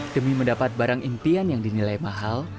demi mendapat barang impian yang dinilai mahal